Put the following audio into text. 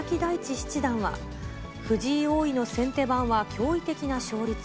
七段は、藤井王位の先手番は驚異的な勝率。